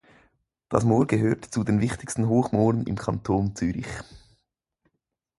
Das Moor gehört zu den wichtigsten Hochmooren im Kanton Zürich.